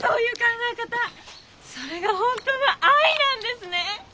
それが本当の愛なんですね？